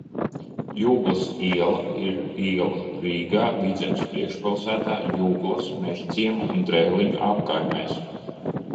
Juglas iela ir iela Rīgā, Vidzemes priekšpilsētā, Juglas, Mežciema un Dreiliņu apkaimēs.